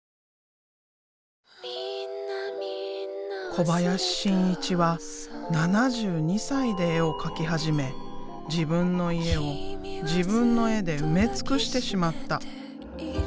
小林伸一は７２歳で絵を描き始め自分の家を自分の絵で埋め尽くしてしまった。